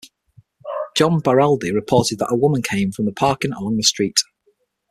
John Baraldi reported that a woman came from the parking along the street.